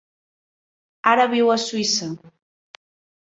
Ara viu a Suïssa.